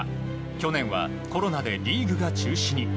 去年はコロナでリーグが中止に。